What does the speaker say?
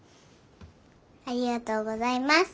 ありがとうございます。